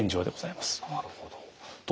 なるほど。